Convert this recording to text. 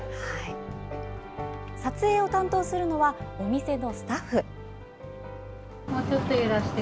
撮影を担当するのはお店のスタッフ。